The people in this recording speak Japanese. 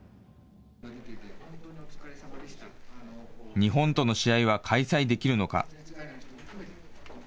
日本との試合は開催できるのか。